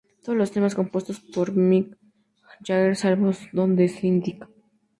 Todos los temas compuestos por Mick Jagger, salvo donde se indica.